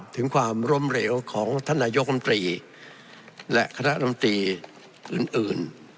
ถึงความล้มเหลวของท่านนายกรรมตรีและคณะลำตรีอื่น